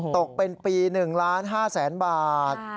ตกเป็นปี๑ล้าน๕แสนบาท